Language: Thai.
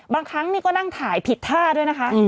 บางครั้งนี่ก็นั่งถ่ายผิดท่าด้วยนะคะ